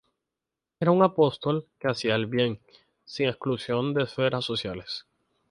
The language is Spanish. Era un apóstol, que hacía el bien sin exclusión de esferas sociales.